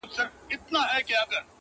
زۀ د خوارو او خورو پښتنو غم خورم